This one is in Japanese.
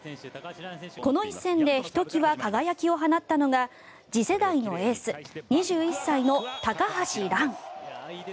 この一戦でひときわ輝きを放ったのが次世代のエース２１歳の高橋藍。